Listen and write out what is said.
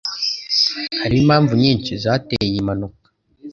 Hariho impamvu nyinshi zateye iyi mpanuka.